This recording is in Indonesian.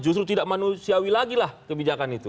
justru tidak manusiawi lagi lah kebijakan itu